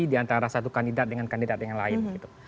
diantara satu kandidat dengan kandidat yang lain